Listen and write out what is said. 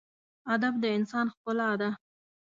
ادب د انسان ښکلا ده.